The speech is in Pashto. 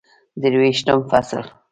درویشتم فصل